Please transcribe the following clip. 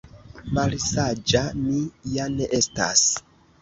Malsaĝa mi ja ne estas!